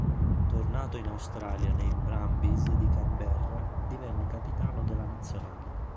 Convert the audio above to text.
Tornato in Australia nei Brumbies di Canberra divenne capitano della Nazionale.